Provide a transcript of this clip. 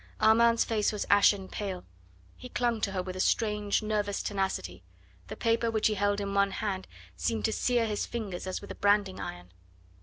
Armand's face was ashen pale. He clung to her with strange, nervous tenacity; the paper which he held in one hand seemed to sear his fingers as with a branding iron.